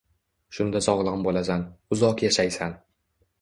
Shunda sog‘lom bo‘lasan, uzoq yashaysan.